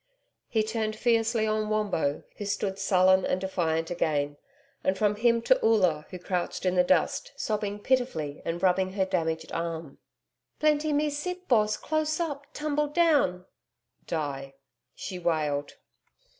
He turned fiercely on Wombo, who stood sullen and defiant again, and from him to Oola, who crouched in the dust, sobbing pitifully and rubbing her damaged arm. 'Plenty me sick, Boss close up TUMBLEDOWN' (die), she wailed.